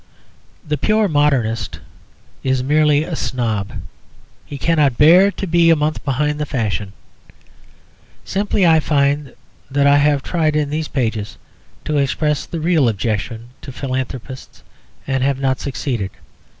The pure modernist is merely a snob; he cannot bear to be a month behind the fashion Similarly I find that I have tried in these pages to express the real objection to philanthropists and have not succeeded.